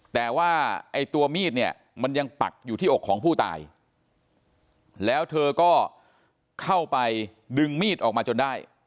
แต่ว่าไอ้ตัวมีดเนี่ยมันยังปักอยู่ที่อกของผู้ตายแล้วเธอก็เข้าไปดึงมีดออกมาจนได้